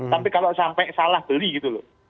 tapi kalau sampai salah beli gitu loh